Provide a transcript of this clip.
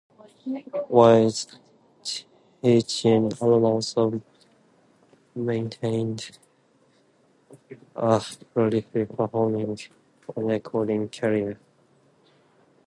While teaching, Alan also maintained a prolific performing and recording career.